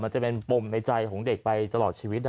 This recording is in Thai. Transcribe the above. มันจะเป็นปมในใจของเด็กไปตลอดชีวิต